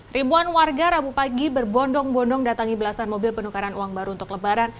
ribuan warga rabu pagi berbondong bondong datangi belasan mobil penukaran uang baru untuk lebaran